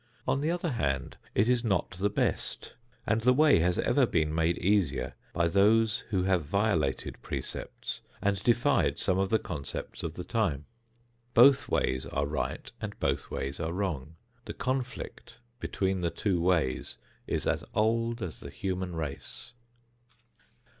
On the other hand it is not the best, and the way has ever been made easier by those who have violated precepts and defied some of the concepts of the time. Both ways are right and both ways are wrong. The conflict between the two ways is as old as the human race.